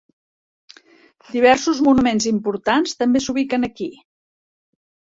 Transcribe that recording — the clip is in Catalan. Diversos monuments importants també s'ubiquen aquí.